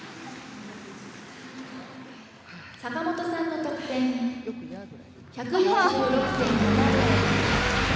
「坂本さんの得点１４６．７０」